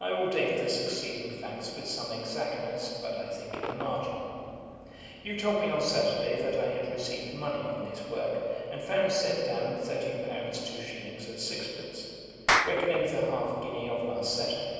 I will date the succeeding facts with some exactness, but I think in the margin. You told me on Saturday that I had received money on this work, and found set down 13£. 2s. 6d., reckoning the half guinea of last Saturday.